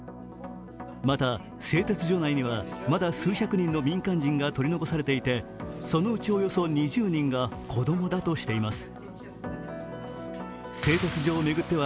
また製鉄所内にはまだ数百人の民間人が取り残されていてそのうちおよそ２０人が子供だとしています。